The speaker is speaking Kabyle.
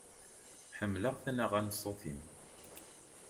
Ḥemmleɣ tanaɣa n ṣṣut-im.